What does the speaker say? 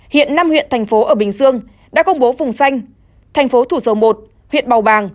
hiện năm huyện thành phố ở bình dương đã công bố vùng xanh thành phố thủ dầu một huyện bào bàng